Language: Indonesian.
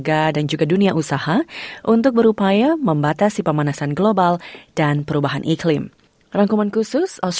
antara emisi gas rumah kaca